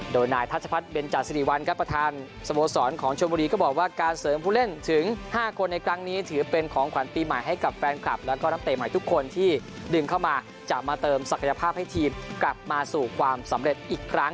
โดยนายทัชพัฒนเบนจาสิริวัลครับประธานสโมสรของชมบุรีก็บอกว่าการเสริมผู้เล่นถึง๕คนในครั้งนี้ถือเป็นของขวัญปีใหม่ให้กับแฟนคลับแล้วก็นักเตะใหม่ทุกคนที่ดึงเข้ามาจะมาเติมศักยภาพให้ทีมกลับมาสู่ความสำเร็จอีกครั้ง